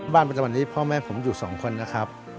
บ้านปัจจับันนี้พ่อแม่ผมอยู่๒คนนะครับ